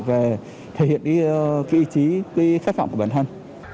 và thể hiện ý chí khách phòng của bản thân